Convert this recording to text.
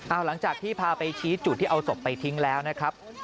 เอาหลังจากที่พาไปชี้จุดที่เอาศพไปทิ้งแล้วนะครับ